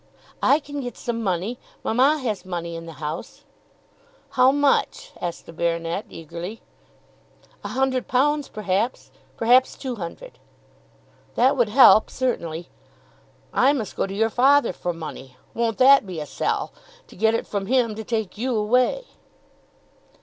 "I can get some money. Mamma has money in the house." "How much?" asked the baronet eagerly. "A hundred pounds, perhaps; perhaps two hundred." "That would help certainly. I must go to your father for money. Won't that be a sell? To get it from him, to take you away!"